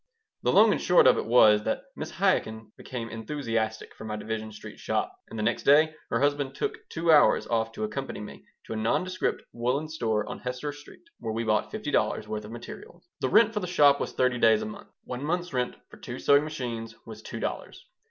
The long and short of it was that Mrs. Chaikin became enthusiastic for my Division Street shop, and the next day her husband took two hours off to accompany me to a nondescript woolen store on Hester Street, where we bought fifty dollars' worth of material The rent for the shop was thirty dollars a month. One month's rent for two sewing machines was two dollars.